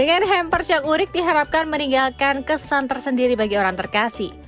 dengan hampers yang unik diharapkan meninggalkan kesan tersendiri bagi orang terkasih